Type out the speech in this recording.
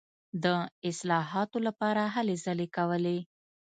د اصلاحاتو لپاره هلې ځلې کولې.